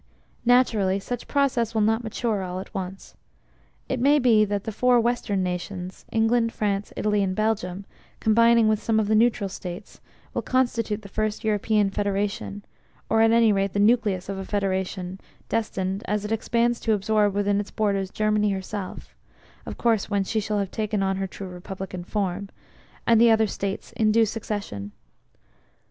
Naturally such process will not mature all at once. It may, bit that the four Western nations, England, France, Italy and Belgium, combining with some of the neutral States, will constitute the first European Federationor at any rate the nucleus of a Federation destined, as it expands to absorb within its borders Germany herself (of course when she shall have taken on her true republican form) and the other States in due succession.